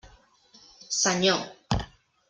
Senyor.